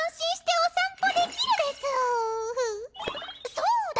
そうだ！